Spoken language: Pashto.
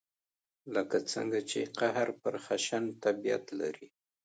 لکه څنګه چې قهر پر خشن طبعیت لري.